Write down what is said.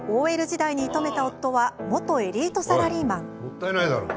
ＯＬ時代に射止めた夫は元エリートサラリーマン。